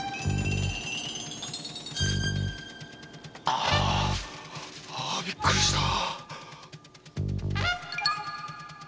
あびっくりした。